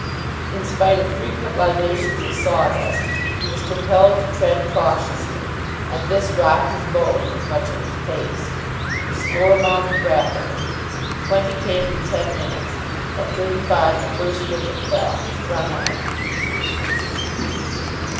In spite of frequent libations of sawdust, he was compelled to tread cautiously, and this robbed his bowling of much of its pace. The score mounted rapidly. Twenty came in ten minutes. At thirty five the first wicket fell, run out.